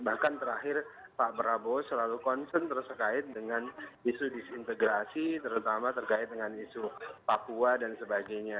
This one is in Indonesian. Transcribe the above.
bahkan terakhir pak prabowo selalu concern terkait dengan isu disintegrasi terutama terkait dengan isu papua dan sebagainya